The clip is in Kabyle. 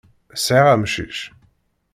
Sɛiɣ amcic.